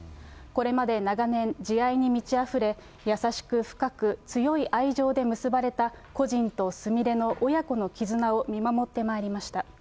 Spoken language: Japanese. これまで長年、慈愛に満ちあふれ、優しく深く、強い愛情で結ばれた故人とすみれの親子の絆を見守ってまいりました。